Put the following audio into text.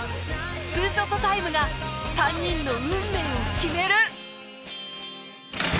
２ショットタイムが３人の運命を決める